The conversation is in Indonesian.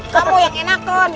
kamu yang enakan